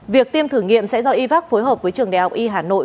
việc tiêm thử nghiệm sẽ do yvac phối hợp với trường đại học y hà nội